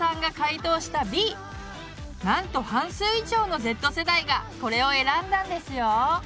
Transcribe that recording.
なんと半数以上のＺ世代がこれを選んだんですよ。